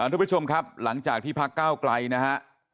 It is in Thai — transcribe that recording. ทุกผู้ชมครับหลังจากที่พักเก้าไกลนะฮะ